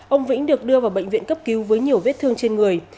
ông vĩnh được đưa vào bệnh viện cấp cứu với nhiều vết thương trên người